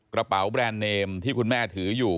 กระเป๋าแบรนด์เนมที่คุณแม่ถืออยู่